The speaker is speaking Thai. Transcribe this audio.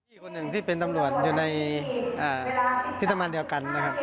อีกคนหนึ่งที่เป็นตำรวจอยู่ในที่ทำงานเดียวกันนะครับ